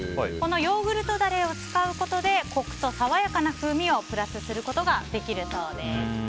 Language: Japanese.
ヨーグルトダレを使うことでコクと爽やかな風味をプラスすることができるそうです。